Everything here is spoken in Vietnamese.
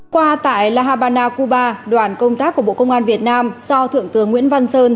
qua tại la habana cuba đoàn công tác của bộ công an việt nam do thượng tướng nguyễn văn sơn